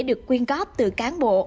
được quyên cóp từ cán bộ